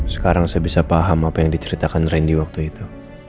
sekarang saya bisa paham apa yang diceritakan randy waktu itu